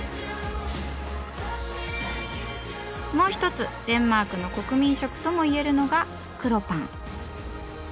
もう一つデンマークの国民食とも言えるのが黒パン。